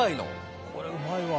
これうまいわ。